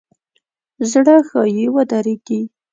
زړه ښایي ودریږي.